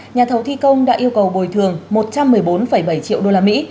nhà thầu thi công đã yêu cầu bồi thường một trăm một mươi bốn bảy triệu usd